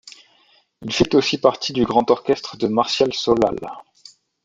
Il fait aussi partie du grand orchestre de Martial Solal.